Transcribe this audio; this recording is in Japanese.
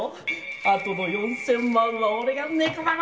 あとの４０００万は俺がネコババだ！